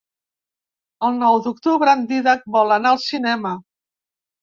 El nou d'octubre en Dídac vol anar al cinema.